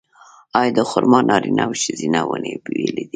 آیا د خرما نارینه او ښځینه ونې بیلې دي؟